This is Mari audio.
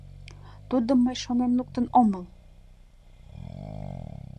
Тудым мый шонен луктын омыл.